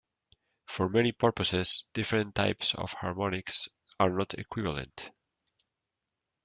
For many purposes different types of harmonics are not equivalent.